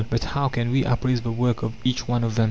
But how can we appraise the work of each one of them?